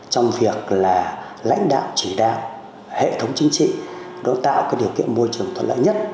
trong việc là lãnh đạo chỉ đạo hệ thống chính trị đối tạo cái điều kiện môi trường thuận lợi nhất